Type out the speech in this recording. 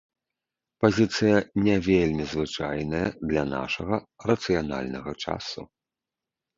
Пазіцыя не вельмі звычайная для нашага рацыянальнага часу.